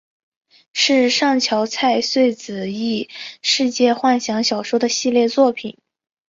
是上桥菜穗子异世界幻想小说的系列作品。